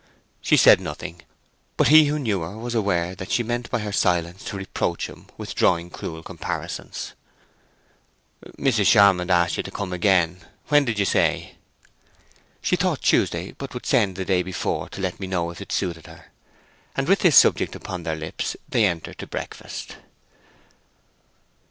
She said nothing; but he who knew her was aware that she meant by her silence to reproach him with drawing cruel comparisons. "Mrs. Charmond has asked you to come again—when, did you say?" "She thought Tuesday, but would send the day before to let me know if it suited her." And with this subject upon their lips they entered to breakfast.